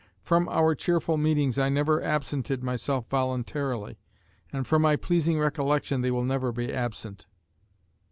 From our cheerful meetings I never absented myself voluntarily, and from my pleasing recollection they will never be absent.